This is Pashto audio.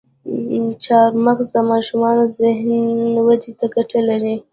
چارمغز د ماشومانو ذهني ودې ته ګټه لري.